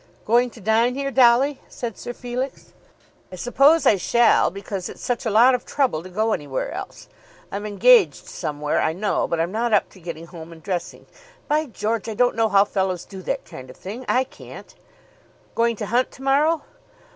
"Going to dine here, Dolly?" said Sir Felix. "I suppose I shall, because it's such a lot of trouble to go anywhere else. I'm engaged somewhere, I know; but I'm not up to getting home and dressing. By George! I don't know how fellows do that kind of thing. I can't." "Going to hunt to morrow?"